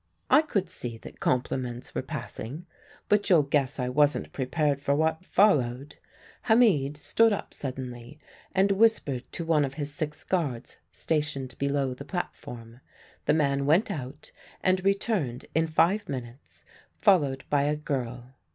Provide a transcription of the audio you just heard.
"I could see that compliments were passing; but you'll guess I wasn't prepared for what followed. Hamid stood up suddenly and whispered to one of his six guards stationed below the platform. The man went out, and returned in five minutes followed by a girl.